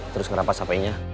terus ngerampas hp nya